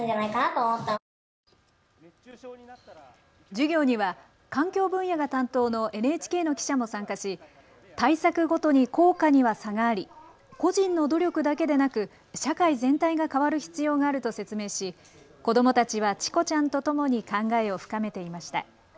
授業には環境分野が担当のＮＨＫの記者も参加し対策ごとに効果には差があり個人の努力だけでなく社会全体が変わる必要があると説明し子どもたちはチコちゃんとともに考えを深めていました。